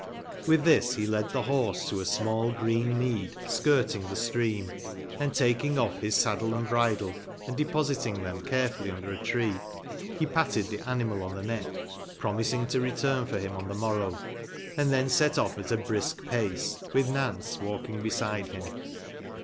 '* Witb tbis, be led tbe borse to a small green mead skirting tbe stream, and taking off bis saddle and bridle, and depositing tbem carefully nnder a tree, be patted tbe animal on tbe neck, promising to retum for bim on tbe morrow, and tben set off at a brisk pace, witb Nance Walking beside bim.